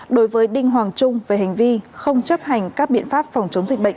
đối với đinh hoàng trung về hành vi không chấp hành các biện pháp phòng chống dịch bệnh